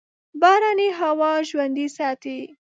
باراني هوا ژوندي ساتي.